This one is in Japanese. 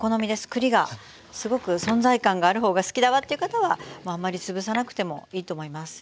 栗がすごく存在感がある方が好きだわっていう方はあんまり潰さなくてもいいと思います。